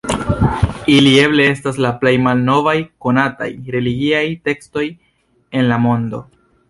Ili eble estas la plej malnovaj konataj religiaj tekstoj en la mondo.